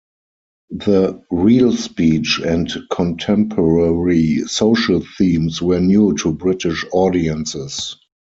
The 'real' speech and contemporary social themes were new to British audiences.